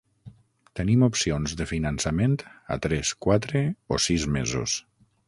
Tenim opcions de finançament a tres, quatre o sis mesos.